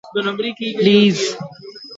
Please